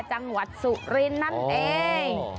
จังหวัดสุรินทร์นั่นเอง